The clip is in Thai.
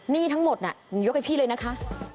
นี่ทั้งหมดน่ะยกกับพี่เลยนะคะ